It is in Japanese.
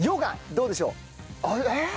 どうでしょう？えっ？